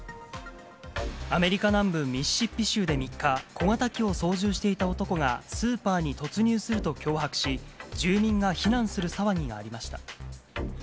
アメリカ南部ミシシッピ州で３日、小型機を操縦していた男が、スーパーに突入すると脅迫し、住人が避難する騒ぎがありました。